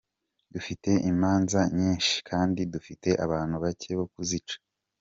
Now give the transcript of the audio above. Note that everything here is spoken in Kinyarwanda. Dufite imanza nyinshi, kandi dufite abantu bake bo kuzica.